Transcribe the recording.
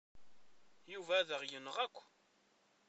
Yuba ad aɣ-yenɣ akk.